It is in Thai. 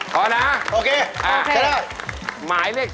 พอนะไปแล้วโอเค